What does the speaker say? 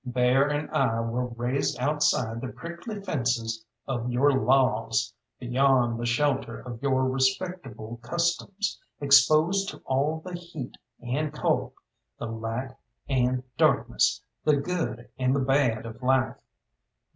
Bear and I were raised outside the prickly fences of your laws, beyond the shelter of your respectable customs, exposed to all the heat and cold, the light and darkness, the good and the bad of life.